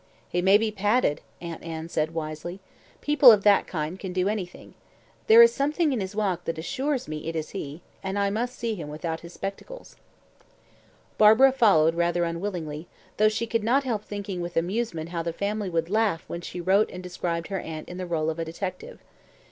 "He may be padded," Aunt Anne said wisely. "People of that kind can do anything. There is something in his walk that assures me it is he, and I must see him without his spectacles." Barbara followed rather unwillingly, though she could not help thinking with amusement how the family would laugh when she wrote and described her aunt in the role of a detective.